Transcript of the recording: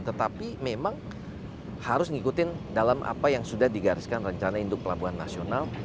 tetapi memang harus mengikuti dalam apa yang sudah digariskan rencana induk pelabuhan nasional